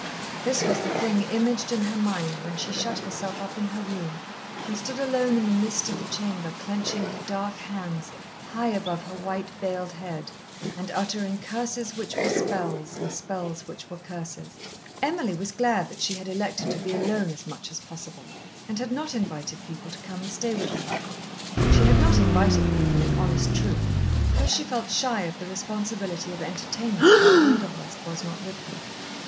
This was the thing imaged in her mind when she shut herself up in her room and stood alone in the midst of the chamber clenching her dark hands high above her white veiled head, and uttering curses which were spells, and spells which were curses. Emily was glad that she had elected to be alone as much as possible, and had not invited people to come and stay with her. She had not invited people, in honest truth, because she felt shy of the responsibility of entertainment while Walderhurst was not with her.